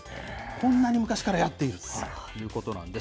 こんなに昔からやっているということなんです。